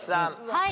はい。